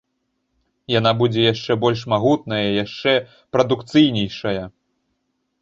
Яна будзе яшчэ больш магутная, яшчэ прадукцыйнейшая.